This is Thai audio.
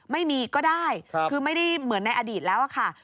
ไม่มีก็ได้คือไม่ได้เหมือนในอดีตแล้วค่ะ